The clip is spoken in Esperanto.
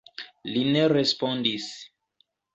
Li ne respondis.